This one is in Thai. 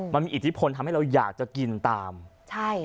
มันมีอิทธิพลทำให้เราอยากจะกินตามใช่